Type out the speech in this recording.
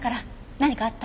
何かあった？